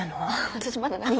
私まだ何も。